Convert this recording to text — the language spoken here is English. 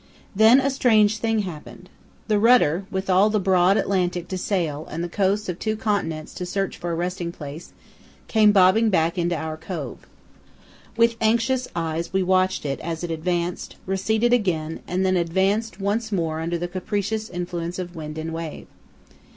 Then a strange thing happened. The rudder, with all the broad Atlantic to sail in and the coasts of two continents to search for a resting place, came bobbing back into our cove. With anxious eyes we watched it as it advanced, receded again, and then advanced once more under the capricious influence of wind and wave.